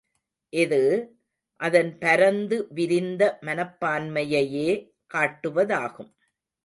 இது, அதன் பரந்து விரிந்த மனப்பான்மையையே காட்டுவதாகும்.